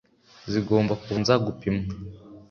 zigomba kubanza gupimwa